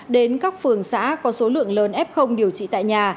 đến các phường xã có số lượng lớn f điều trị tại nhà